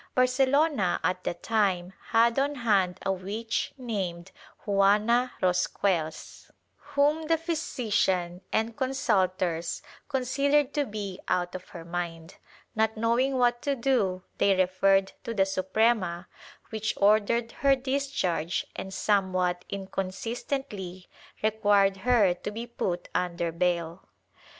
Barcelona at the time had on hand a witch named Juana Rosquells, whom the physi cian and consultors considered to be out of her mind; not knowing what to do they referred to the Suprema, which ordered her discharge and somewhat inconsistently required her to be put under bail.